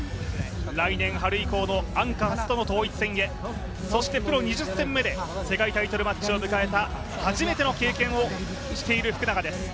来年春以降のアンカハスとの統一戦へそしてプロ２０戦目で世界タイトルマッチを迎えた初めての経験をしている福永です。